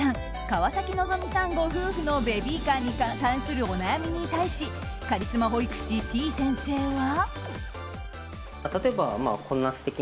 川崎希さんご夫婦のベビーカーに関するお悩みに対しカリスマ保育士、てぃ先生は。